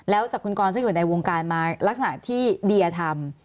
แล้วจากคุณกรซึ่งอยู่ในวงการมาลักษณะที่เดียทำ